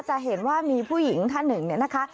จะเห็นว่ามีผู้หญิงท่านหนึ่งเนี่ยนะคะ